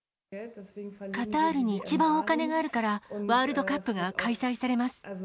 カタールに一番お金があるから、ワールドカップが開催されます。